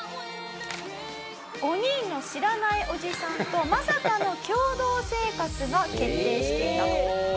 ５人の知らないおじさんとまさかの共同生活が決定していたと。